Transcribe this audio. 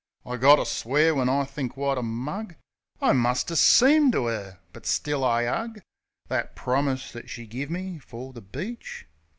I gotter swear when I think wot a mug I must 'a' seemed to 'er. But still I 'ug That promise that she give me fer the beach.